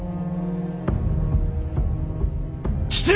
父上！